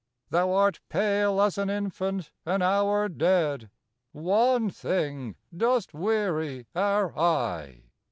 Thou art pale as an infant an hour dead Wan thing, dost weary our eye!"